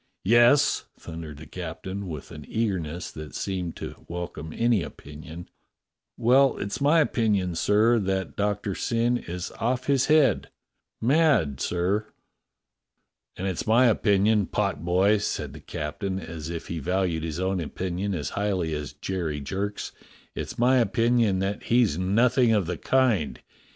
"Yes?" thundered the captain, with an eagerness that seemed to welcome any opinion. "— well, it's my opinion, sir, that Doctor Syn is off his head — mad, sir." "And it's my opinion, potboy," said the captain, as if he valued his own opinion as highly as Jerry Jerk's, "it's my opinion that he's nothing of the kind.